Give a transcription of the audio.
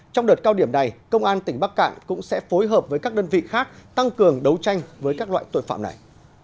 trong đợt cao điểm này công an tỉnh bắc cạn cũng sẽ phối hợp với các đơn vị khác tăng cường đấu tranh với các loại tội phạm này